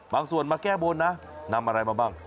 ส่วนมาแก้บนนะนำอะไรมาบ้าง